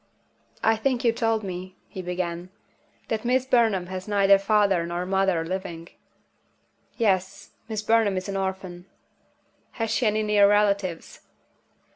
"I think you told me," he began, "that Miss Burnham has neither father nor mother living?" "Yes. Miss Burnham is an orphan." "Has she any near relatives?"